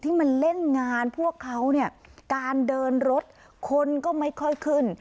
ที่มันเล่นงานพวกเขาเนี่ยการเดินรถคนก็ไม่ค่อยขึ้น